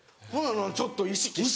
ちょっと意識して。